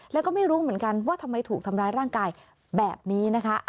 แล้วก็ไม่รู้เหมือนกันว่าทำไมถูกทำร้ายร่างกายแบบนี้นะคะ